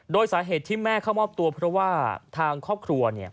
โดยสาเหตุที่แม่เข้ามอบตัวเพราะว่าทางครอบครัว